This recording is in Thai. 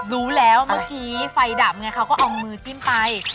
รู้แล้วเมื่อกี้ไฟดับไงเขาก็เอามือจิ้มไป